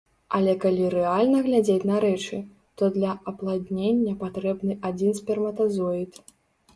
Але калі рэальна глядзець на рэчы, то для апладнення патрэбны адзін сперматазоід.